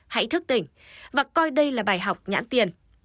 hãy thức tỉnh và coi đây là bài học nhãn tiền